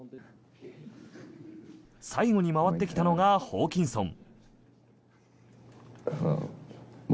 最後に回ってきたのがホーキンソン。